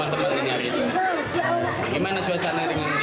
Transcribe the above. gimana suasana di kelas ini saat area masuk sekolah sendiri